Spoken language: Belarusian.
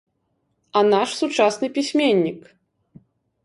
А наш сучасны пісьменнік!